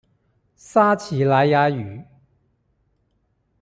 撒奇萊雅語